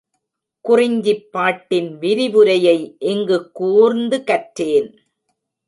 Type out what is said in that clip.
குறிஞ்சிப்பாட்டின் விரிவுரையை இங்கு கூர்ந்து கற்றேன்.